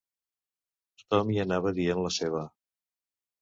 Tot-hom hi anava dient la seva